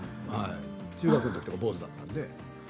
中学のとき坊主だったんでね。